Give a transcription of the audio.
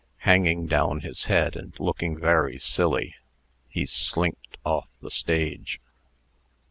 Hanging down his head, and looking very silly, he slinked off the stage.